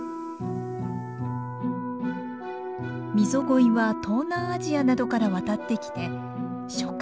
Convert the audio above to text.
ミゾゴイは東南アジアなどから渡ってきて初夏